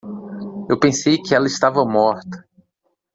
Eu pensei que ela estava morta.